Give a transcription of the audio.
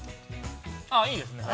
◆いいですね。